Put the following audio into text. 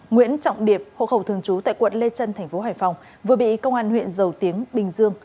nguyễn trọng điệp hộ khẩu thường trú tại quận lê trân thành phố hải phòng vừa bị công an huyện dầu tiếng bình dương